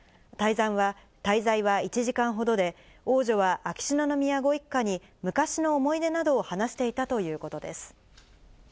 滞在は１時間ほどで、王女は秋篠宮ご一家に昔の思い出などを話していたということです。